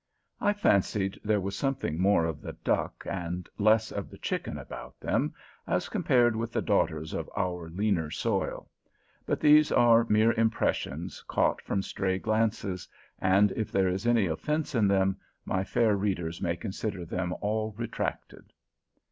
I fancied there was something more of the duck and less of the chicken about them, as compared with the daughters of our leaner soil; but these are mere impressions caught from stray glances, and if there is any offence in them, my fair readers may consider them all retracted.